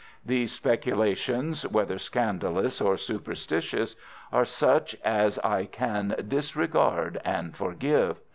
These speculations, whether scandalous or superstitious, are such as I can disregard and forgive.